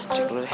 cek dulu deh